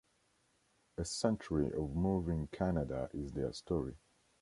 A Century of Moving Canada is their story.